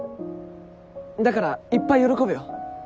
だからいっぱい喜べよ。